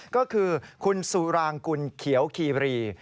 ก็คือคุณสุรางกุลเขียวคีบรี